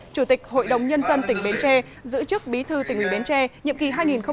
chủ tịch hội đồng nhân dân tỉnh bến tre giữ chức bí thư tỉnh ủy bến tre nhiệm kỳ hai nghìn một mươi sáu hai nghìn hai mươi một